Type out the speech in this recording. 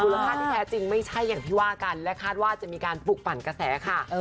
คุณภาพที่แท้จริงไม่ใช่อย่างที่ว่ากันและคาดว่าจะมีการปลุกปั่นกระแสค่ะ